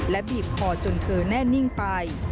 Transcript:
และบีบคอจนเธอแน่นิ่งไป